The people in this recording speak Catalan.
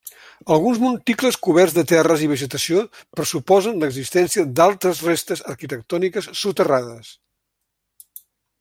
Alguns monticles coberts de terres i vegetació pressuposen l'existència d'altres restes arquitectòniques soterrades.